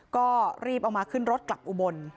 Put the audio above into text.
ก็รีบเอามาขึ้นรถกลับอุบล